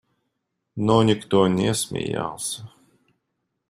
Но никто не смеялся.